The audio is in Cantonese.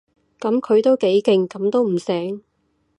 噉佢都幾勁，噉都唔醒